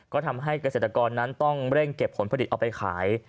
ก็ทำให้เกษตรกรนั้นต้องเร่งเก็บผลผลิตเอาไปขาย